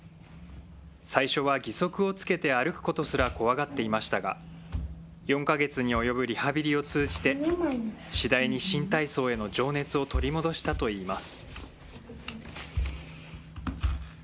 最初は義足をつけて歩くことすら怖がっていましたが、４か月に及ぶリハビリを通じて、次第に新体操への情熱を取り戻したといいます。